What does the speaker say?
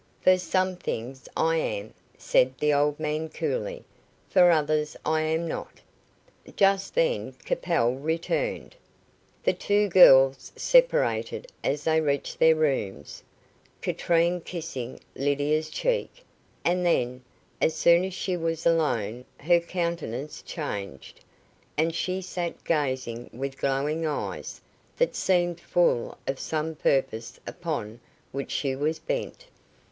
"For some things I am," said the old man, coolly. "For others I am not." Just then Capel returned. The two girls separated as they reached their rooms, Katrine kissing Lydia's cheek, and then, as soon as she was alone, her countenance changed, and she sat gazing with glowing eyes, that seemed full of some purpose upon which she was bent.